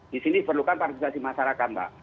di sini perlukan partisipasi masyarakat mbak